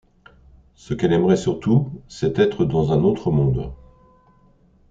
Ce qu'elle aimerait surtout c'est être dans un autre monde.